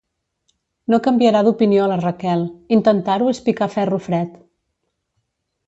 No canviarà d'opinió la Raquel, intentar-ho és picar ferro fred.